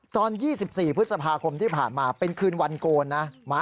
๒๔พฤษภาคมที่ผ่านมาเป็นคืนวันโกนนะ